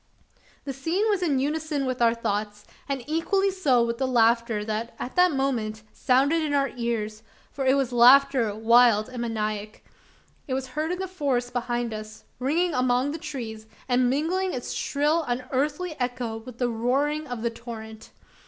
The scene was in unison with our thoughts; and equally so with the laughter that at that moment sounded in our ears for it was laughter wild and maniac. It was heard in the forest behind us; ringing among the trees, and mingling its shrill unearthly echo with the roaring of the torrent.